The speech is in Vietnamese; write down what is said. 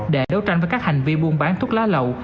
để đấu tranh với các hành vi buôn bán thuốc lá lậu